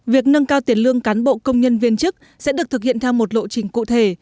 việc nâng cao tiền lương cán bộ công nhân viên chức sẽ được thực hiện theo một lộ trình cụ thể